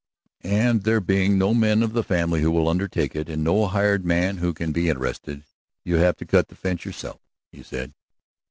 "And there being no men of the family who will undertake it, and no hired men who can be interested, you have to cut the fence yourself," he said.